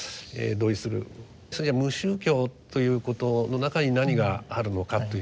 それじゃ無宗教ということの中に何があるのかというですね